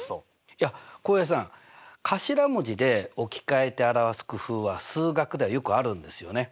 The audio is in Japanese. いや浩平さん頭文字で置き換えて表す工夫は数学ではよくあるんですよね。